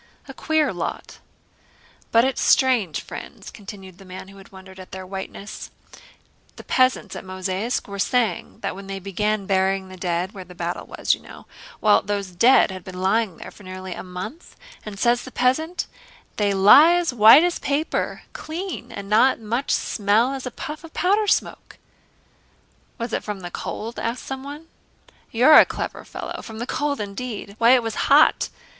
A queer lot!" "But it's strange, friends," continued the man who had wondered at their whiteness, "the peasants at Mozháysk were saying that when they began burying the dead—where the battle was you know—well, those dead had been lying there for nearly a month, and says the peasant, 'they lie as white as paper, clean, and not as much smell as a puff of powder smoke.'" "Was it from the cold?" asked someone. "You're a clever fellow! From the cold indeed! Why, it was hot.